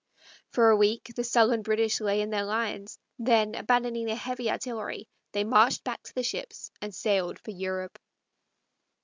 For a week the sullen British lay in their lines; then, abandoning their heavy artillery, they marched back to the ships and sailed for Europe.